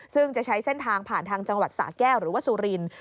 ซึ่งจะใช้เส้นทางผ่านทางจังหวัดสะแก้วหรือว่าสุรินทร์